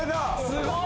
すごい！